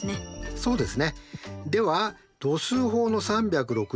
そうです。